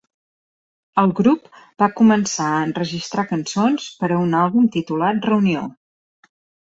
El grup va començar a enregistrar cançons per a un àlbum titulat "Reunió".